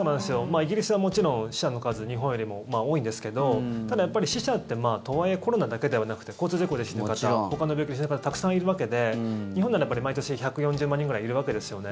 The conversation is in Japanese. イギリスはもちろん、死者の数日本よりも多いんですけどただやっぱり、死者ってとはいえコロナだけではなくて交通事故で死ぬ方ほかの病気で死ぬ方たくさんいるわけで日本でも毎年１４０万人ぐらいいるわけですよね。